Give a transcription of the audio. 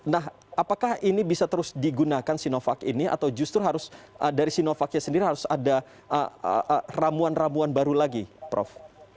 nah apakah ini bisa terus digunakan sinovac ini atau justru harus dari sinovacnya sendiri harus ada ramuan ramuan baru lagi prof